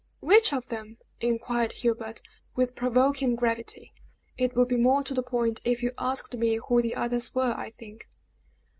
"Which of them?" inquired Hubert, with provoking gravity. "It would be more to the point if you asked me who the others were, I think."